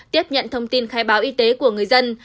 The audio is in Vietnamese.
tiếp nhận thông tin khai báo y tế của người dân